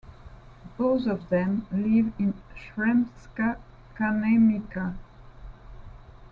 Both of them live in Sremska Kamenica.